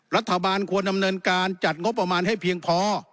รัฐบาลควรดำเนินการจัดงบประมาณให้เพียงพอ